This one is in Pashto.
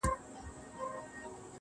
خدايه هغه زما د کور په لار سفر نه کوي.